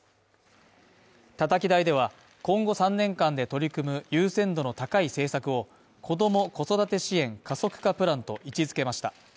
たたき台では、今後３年間で取り組む優先度の高い政策を、子ども・子育て支援加速化プランと位置付けました。